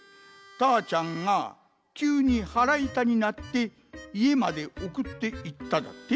たーちゃんがきゅうにはらいたになっていえまでおくっていっただって？